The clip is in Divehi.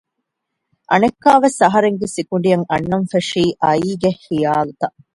އަނެއްކާވެސް އަހަރެންގެ ސިކުނޑިއަށް އަންނަންފެށީ އައީގެ ޚިޔާލުތައް